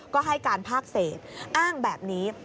ก็ให้การภาคเศษอ้างแบบนี้